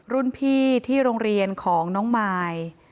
รุ่นพี่ที่โรงเรียนของน้องมาย